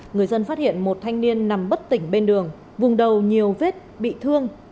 người dân phát hiện một thanh niên nằm bất tỉnh bên đường vùng đầu nhiều vết bị thương